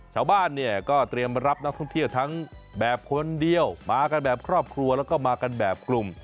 ชาวบ้านเนี่ยก็เตรียมรับนักท่องเที่ยวทั้งแบบคนเดียวมากันแบบครอบครัวแล้วก็มากันแบบกลุ่ม